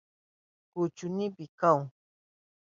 Kuchuynipi kahun.